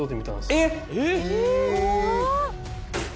えっ！